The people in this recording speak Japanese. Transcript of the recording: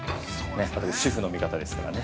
私、主婦の味方ですからね。